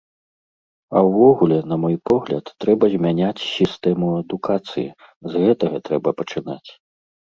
А ўвогуле, на мой погляд, трэба змяняць сістэму адукацыі, з гэтага трэба пачынаць.